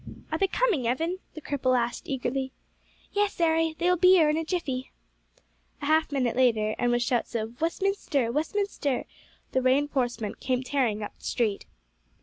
"Are they coming, Evan?" the cripple asked eagerly. "Yes, 'Arry; they will be 'ere in a jiffy." A half minute later, and with shouts of "Westminster! Westminster!" the reinforcement came tearing up the street.